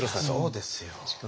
そうですよ。